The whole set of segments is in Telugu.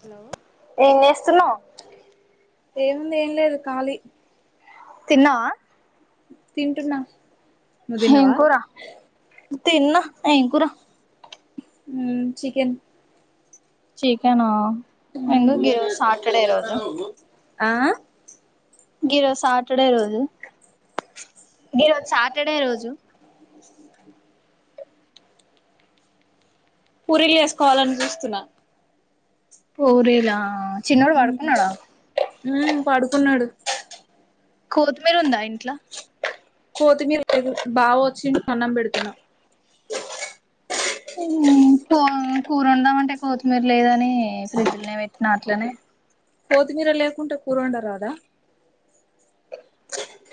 హలో ఏం చేస్తున్నావ్ ఏముంది ఏం లేదు కాలి తిన్నావా తింటున్నా నువ్వు తిన్నావా ఏంకోరా తిన్న ఎకురా చికెన్ చకనా ప వస్తకో ఆ గిరస్ సాటర్డే రోజు మీరుజు సాటర్డే రోజు పూరీలు చేసుకోవాలని చూస్తున్నా పోరేలా పాడుకున్నాడు కొతిమీర ఉందా ఇంట్లో కోతిమీర లేదు బాగా వచ్చి అన్నం పెడుతున్నా కూరందామంటే కొత్తిమీర లేదని ఫ్రిడ్జ్లునే ఏమి ఎత్తిన అట్లనే కొత్తిమీర లేకుంటే కూరండ రాదా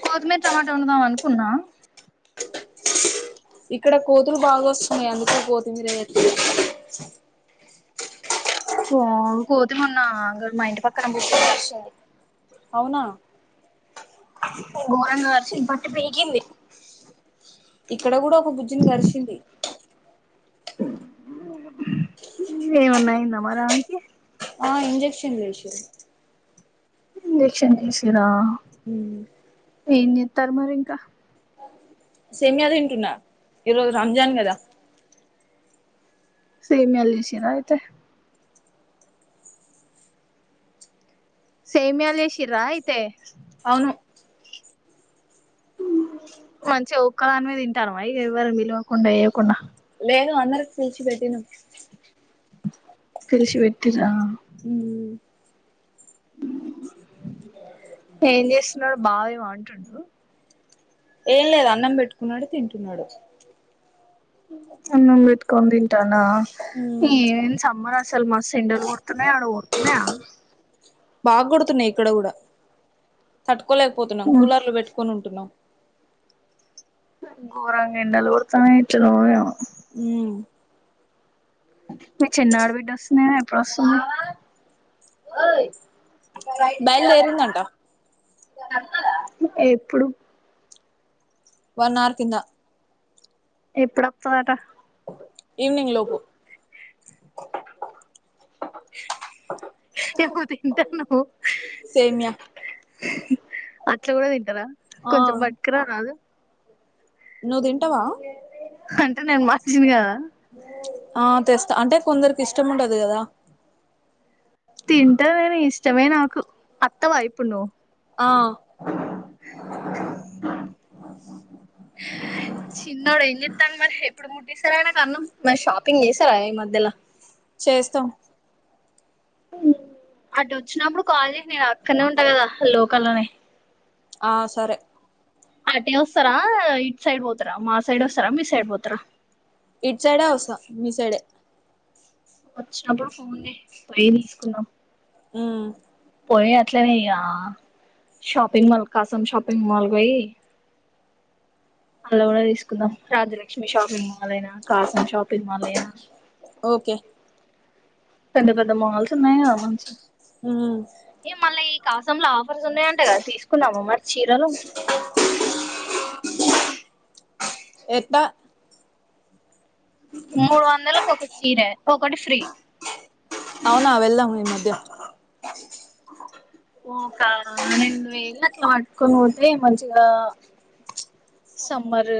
కొతిమీర టమాటా ఉన్నదాం అనుకున్నా ఇక్కడ కోతులు బాగా వస్తున్నాయి అందుక కోతు తంగర పో కోతి మన్న మా ఇంటి పక్కన బుద్ధ మరిచంది అవునా బోరంగార్ష పట్టు పెయ ఇక్కడ కూడా ఒక బుజ్జుని గరిసింది ఏమన్నా అయిందా మరి ఆమెకి ఆ ఇంజెక్షన్లేసిర్రు ఇంజెక్షన్ ఏసిర్రా హ్మ్ ఏం జేత్తారు మరి ఇంకా సేమియా తింటున్నా ఈరోజు రంజాన్ గదా సేమ్యాల్ జేశిరా అయితే సైమ్యాల్జేషిరా అయితే అవును మంచిఅ ఒక్క దాన్వే తింటానవా ఇగ ఎవరు విలువకుండా వేయ్యకుండా నేను అందరికి పిలిచిపెట్టినమ్ తెరిచి వెట్టిర్రా? మ్మ్ ఏం చేస్తున్నాడు బావేమో అంటుండు ఏం లేదు అన్నం పెట్టుకున్నడు తింటున్నాడు అన్నం బెట్కోని దింటాండు ఆ సమ్మర్ అసలు మస్ ఎండలు కొడుతున్నయి అడ గొడ్తున్నయా బాగ్ కొడుతున్నాయి ఇక్కడ గూడా తట్టు క్కోలేకపోతున్నాం కూలర్లు పెట్టుకొని ఉంటున్నాం గోరంగెండలు గొర్తాన్నాయి ఎట్లనో ఏమో ఉం మీ చిన్నాఢ్బిడ్డొస్తుంది గ ఎప్పుడొస్తుంద్ బయలుదేరిందంట ఎ ప్పుడు వన్ ఆర్ కింద ఎప్పుడత్తదట ఈవినింగ్ లోపు ఏవో తింటాన్నవు సేమ్యా అట్ల గూడ తింటరా ఆ కొంచెం బట్కరా రాదు నువ్ దింటవా అంటే నేను మానిషిని గదా ఆ తెస్త అంటే కొందరికి ఇష్టం ఉండదు గదా తింటా గని ఇష్ట ఇష్టమే నాకు అత్తవా యిప్పు ను? ఆ చిన్నోడు ఏం చెత్తాంన్ మరి ఎప్పుడు ముట్టిస్తర్ అయినక్ అన్నం మరి షాపింగ్ చేసారా ఈ మధ్యల? చేస్తం ఉం అటు ఒచ్చినప్పుడు కాల్ జె నేను అక్కడనే ఉంటా కదా లోకల్లోనే ఆ సరే అటే ఒస్తరా ఇట్ సైడ్ వో ర మా సైడ్ ఒస్తరా మీ సైడ్ పోతరా ఇట్చైడే ఒసా మీ సైడే ఒచ్చినప్పుడు ఫో పై తీసుకున్నాం ఉ పోయి అట్లనే ఇగ, షాపింగ్ మాల్ కాసం షాపింగ్ మాల్ గొయి అల్లకూడా తీసుకుందాం రాజ్యలక్ష్మి షాపింగ్ మా మాలైనా కాసం షాపింగ్ మాల్ ఐన ఓకే పెద్ద పెద్ద మాల్స్ ఉన్నాయా మంచి ఉ కాసంలా ఆఫర్స్ ఉన్నాయంట గ సీసుకున్నామ, మరి చీరలు ఎంత్త మూడు వందలకు ఒక చీరే ఒకటి ఫ్రీ అవునా వెళ్దాం ఈ మధ్య ఓకాణ నేన్ వెయ్ ల ట్ల ఆట్కొని పోతే మంచిగా, సమ్మర్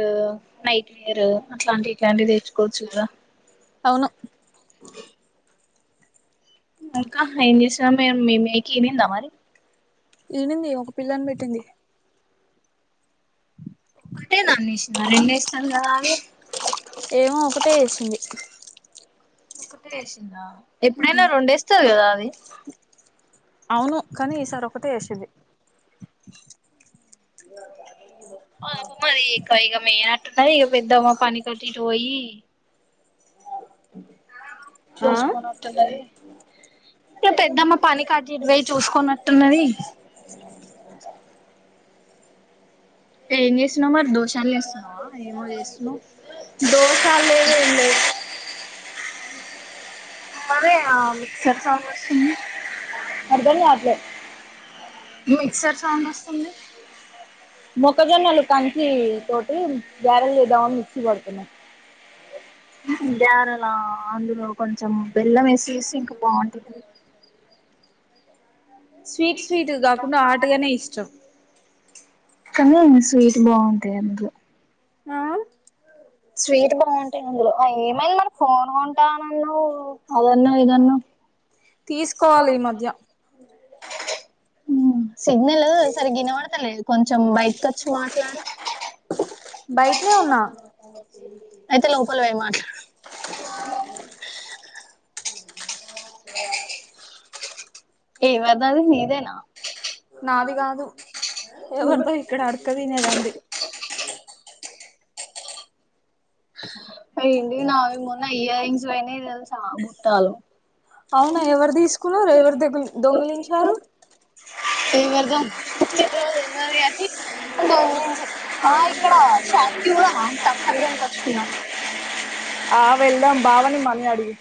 నైట్ వేర్ అట్లాంటి ఇట్లాంటి తెచ్చుకోవచ్చు కదా. అవును ఇంకా ఏం చేసినా మీ అమ్మె మేకివిందా మరి. ఈనింది ఒక పిల్లని పెట్టింది. అంటే నన్నెసినర్ రెండెస్తారు కదా అని ఏమో ఒకటే ఏసింది. ఒకటే ఏసిందా. ఎప్పుడైనా రెండేస్తది కదా అది. అవును కానీ ఈసారి ఒకటే ఏసింది. ఆ ఎప మరి ఇక ఇగా మీ య ట్ తయి ఇవ పెద్ద వ పనికి అటు ఇటు పొయి ఆ చూసుకోన్ వత్తుంటది, ఇకా పెద్దమ్మ పని కటిట్ వొయ్ చూసుకోనట్టున్నవి. ఏ చేస్నా మర్ దోషాల్ లేస్సున్నావా ఏమో చేస్సున్నవ్. దోషాలు లేవు ఏం లేవు మరి ఆ మిక్సర్ సౌండ్ వస్తుంది అర్దం గాట్లే మిక్సర్ సౌండ్ వస్సుంది. మొక్కజొన్నలు కంచి తోటి గ్యారెల్ చేద్దమని మిక్సి పడుతున్నా గ్యరలా అందులో కొంచెం బెల్లం వేసిసి ఇంకా బావుంటది. స్వీట్ స్వీట్ కాకుండా హాటగానే ఇష్టం. కనీ స్వీట్ బావుంటా అందులో ఆ స్వీట్ బావుంటాయి అందులో ఆ ఏమైంది మనం ఫోన్ కొంటానన్నవ్ అదన్న ఇదన్న తీసుకోవాలి ఈ మధ్య సిగ్నల్ సరిగా వినబడతలేదు కొంచెం బయటకి వచ్చి మాట్లాడు బయటే ఉన్నా అయితే లోపల పోయి మాట్లాడు ఎవరిదది నీదేనా నాది కాదు ఎవరిదో ఇక్కడ అడకు తినేదంది అండి నావి మొన్న ఇయర్ రింగ్స్ పోయినావి తెలుసా బుట్టాలు అవునా ఎవరు తీసుకున్నారు ఎవరు దొ దొంగిలించారు ఏం చేద్దాం కానీ ఆ ఇక్కడ షాప్ కి కూడా నా సంగం కొచ్చుకున్నా ఆ వెళ్ళాం బావా ని మనీ అడుగు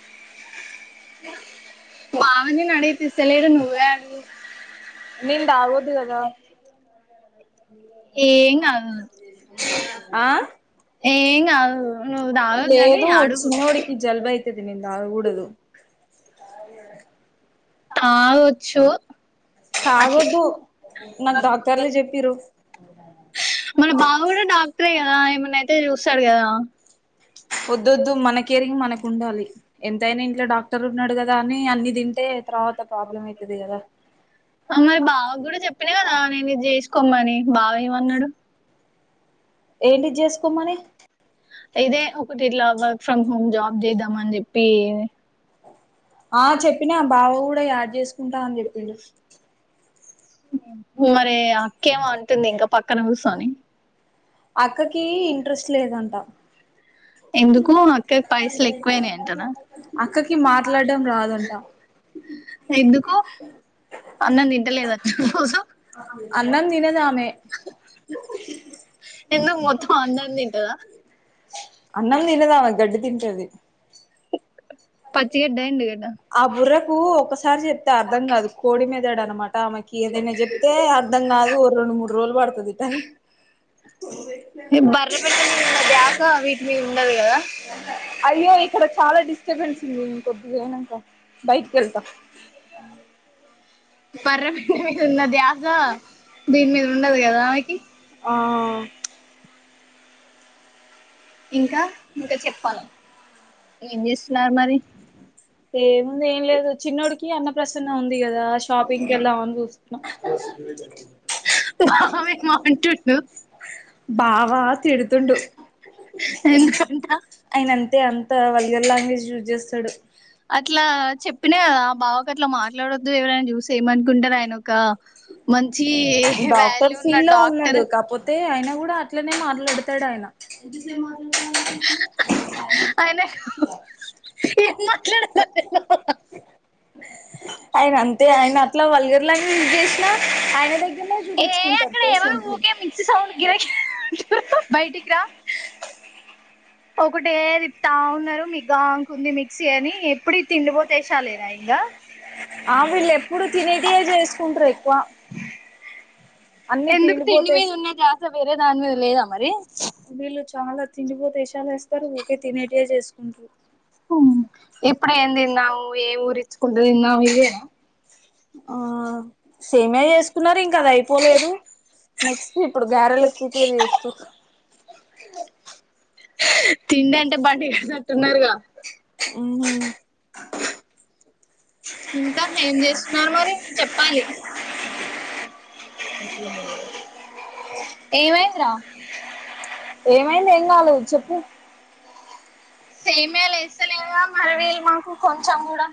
బావా ని నేను అడిగితే ఇస్తలేరు నువ్వే అడుగు నింద ఆగదు గద ఏం కాదు స ఆ ఏం కాదు నువ్వు తాగకు గాని లేదు అడుగు చిన్నవాడికి జలుబు అయితది నేను తాగకూడదు [unintelligible] తాగోచ్చు అ తాగొద్దు నాకు డాక్టర్లు చెప్పిరు మన బావా కూడా డాక్టరే కదా ఏమన్నాయితే చూశాడు కదా ఒద్దొద్దు మనకేరిగి మనకి ఉండాలి ఎంతైనా ఇంట్లో డాక్టర్ ఉన్నాడు కదా అని అన్ని తింటే తర్వాత ప్రాబ్లమ్ అయితది కదా మరి బావకు కూడా చెప్పినా కదా నేను ఇది చేసుకోమని బావ ఏమన్నాడు ఏంటి చేసుకోమని ఇదే ఒకటి ఇట్లావ్వ వర్క్ ఫ్రమ్ హోమ్ జాబ్ చేద్దాం అని చెప్పి ఆ చెప్పిన ఆ బావ కూడా యాడ్ చేసుకుంటా అని చెప్పిండు మరి అక్కేమో అంటుంది ఇంకా పక్కన కూర్చొని అక్కకి ఇంట్రెస్ట్ లేదంట ఎందుకు అక్క కి పైసలు ఎక్కువేనా అంటనా అక్కకి మాట్లాడడం రాదంట ఎందుకు అన్నం తింటూ లేదా రోజు అన్నం తినదామె ఇల్లు మొత్తం అందం తింటదా అన్నం తినదా గడ్డి తింటది పచ్చి గడ్డి ఎండి గడ్డి ఆ బుర్రకు ఒకసారి చెప్తే అర్ధం కాదు కోడి మెదడు అనమాట ఆమెకి ఏదైనా చెప్తే అర్ధం కాదు రెండు మూడు రోజులు పడతలది అట బర్రె పెండ మీద ఉన్న ధ్యాస వీటి మీద ఉండదు కదా అయ్యో ఇక్కడ చాలా డిస్టర్బెన్స్ ఉంది ఇంకొద్ది ఏమనుకొకు బెటకి వెళ్తా పర్రబడి మీద ఉన్నది ఆస దీని మీద ఉండదు గదా ఆమెకి ఆ ఇంకా ఇంక చెప్పను ఏం చేస్తున్నారు మరి ఏం ఉంది ఏం లేదు చిన్నడికి అన్న ప్రసన్న ఉంది కదా షాపింగ్కి వెళ్దాం అని చూస్తున్న బావేమంటుండు బావా తిడుతుండు ఎందుకంట అయిన అంటే అంత వల్గర్ లాంగ్వేజ్ యూజ్ చేస్తాడు అట్లా చెప్పిన ఆ బావకట్ల మార్చ ఎట్లడొద్దు ఎవరైనా చూస్తే ఏమనుకుంటార ఆయన ఒక మంచి డాక్టర్ వాల్యూ ఉన్న ఫీల్లో ఉన్నడు డాక్టర్ కాకపోతే అయినా కూడా అట్లనే మాట్లాడుతాడు ఆయన అయిన [inaudible] ఏ మాట్లాడాలో ఆయన అంతే ఆయన అయన ఏ అక్కడ ఎవరు ఊకే మిక్స సౌండ్ గిర గిర అంటురు బయటికిరా ఒకటేది తిపుతా ఉన్నరు మీకుగా అనుకుంది మిక్సీ అని ఎప్పుడు తిండిపో తీశలేనా ఇంగా ఇప్పుడు తినేది చేసుకుంటరు ఎక్కువ అన్ని ఎందుకు తిండి తిండిపోతే మీద ఉన్న ద్యాస్ స వేరే దాని మీద లేదా మరి వీళ్ళు చాలా తిండిపోతే ఏషాలు వేస్తారు ఊకే తినేటియే చేసుకుంటారు ఎప్పుడు ఏం తిన్నావు ఏ ఊరిచ్చుకుంటు తిన్నవ్ ఇదే ఆ సేమ్యా చేసుకున్నరు ఇంకా అది అయిపోలేదు నెక్స్ట్ ఇప్పుడు గారెల పరు చేస్తూ [inaudible] తిండి అంటే బండి తట్టున్నారుగా ఉమ్ ఇంకా ఏం చేస్తున్నారు మరి చెప్పాలి [inaudible] ఏం అయ్యింది రా ఏమైంది ఏం కాలేదు చెప్పు సేమే లేస్తలేద మరి వీళ్ళు మాకు కొంచెం గూడా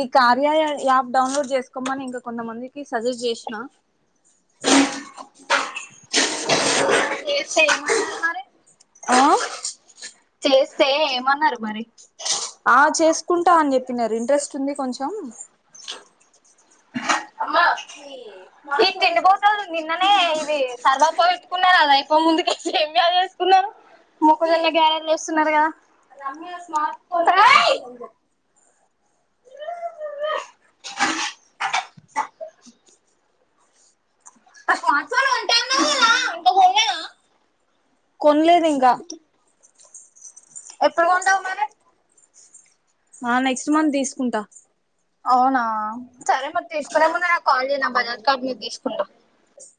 ఈ కార్యాలయ యాప్ డౌన్లోడ్ చేసుకోమని ఇంకా కొంతమందికి సజెస్ట్ చేసిన [inaudible] [inaudible] మరి ఆ చేస్తే ఏమన్నారు మరి ఆ చేసుకుంటా అని చెప్పినరు ఇంట్రెస్ట్ ఉంది కొంచెం ఈ తిండిపోతుంది నిన్ననే ఇది సర్వాపో పెట్టుకున్నారు అదా అయిపో ముందుక ఏమి బ వసుకున్నారు మొక్కజల్లా గ్యారేజ్ వస్తున్నారు గదా [inaudible] కొనలేదింకా ఎప్పుడు కొంటావు ఉండవు మరి మళ్ళా [inaudible] అవునా సరే మరి తీసుకునే ముందుకు కాల్ చేయ్ నా బాజాజ్ కార్డ్ మీద తీసుకుంటా